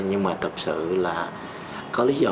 nhưng mà thật sự là có lý do